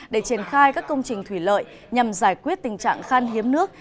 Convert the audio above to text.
để triển khai các công trình thủy lợi nhằm giải quyết tình trạng khan hiếm nước